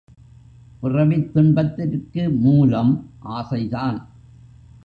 பிறவித் துன்பத்திற்கு மூலம் ஆசைதான்.